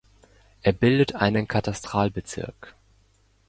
Er bildet einen Katastralbezirk.